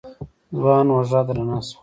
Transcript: ځوان اوږه درنه شوه.